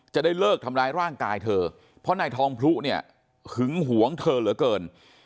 จะได้เลิกทำร้ายร่างกายเธอเพราะนายทองพลุเนี่ยหึงหวงเธอเหลือเกิน